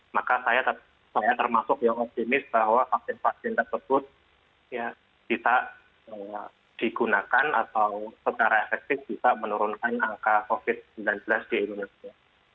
maka saya termasuk yang optimis bahwa vaksin vaksin tersebut bisa digunakan atau secara efektif bisa menurunkan angka covid sembilan belas di indonesia